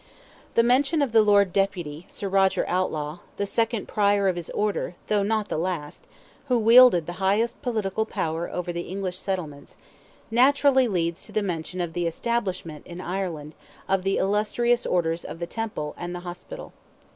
The mention of the Lord Deputy, Sir Roger Outlaw, the second Prior of his order though not the last, who wielded the highest political power over the English settlements, naturally leads to the mention of the establishment in Ireland, of the illustrious orders of the Temple and the Hospital.